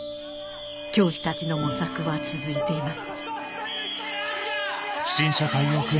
教師たちの模索は続いています